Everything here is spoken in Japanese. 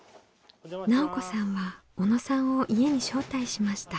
奈緒子さんは小野さんを家に招待しました。